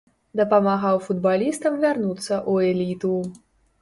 Дапамагаў футбалістам вярнуцца ў эліту.